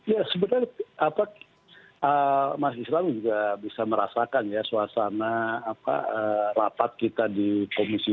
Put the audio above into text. ya sebenarnya mas islam juga bisa merasakan ya suasana rapat kita di komisi dua